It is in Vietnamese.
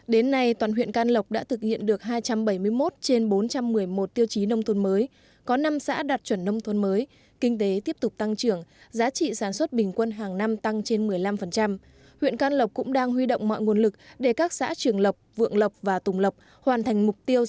đến nay toàn huyện can lộc đã thực hiện được hai trăm bảy mươi một trên bốn trăm một mươi một tiêu chí nông thôn mới có năm xã đạt chuẩn nông thôn mới kinh tế tiếp tục tăng trưởng giá trị sản xuất bình quân hàng năm và các nông dân can lộc đã được tạo ra một nông thôn mới